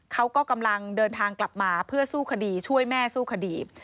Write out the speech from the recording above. เขาก็กำลังเดินทางกลับมาเพื่อสู้คดีช่วยแม่สู้คดี